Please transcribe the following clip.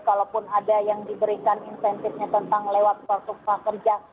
kalaupun ada yang diberikan insentifnya tentang lewat persuksa kerja